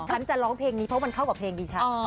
ฉันจะร้องเพลงนี้เพราะมันเข้ากับเพลงดิฉัน